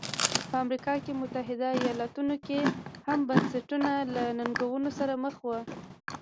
په امریکا متحده ایالتونو کې هم بنسټونه له ننګونو سره مخ وو.